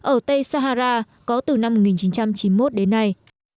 ở tây sahara có từ năm một nghìn chín trăm chín mươi một đến nay